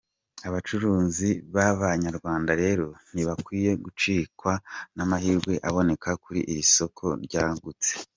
Abacuruzi b’Abanyarwanda rero ntibakwiye gucikwa n’amahirwe aboneka kuri iri soko ryagutse.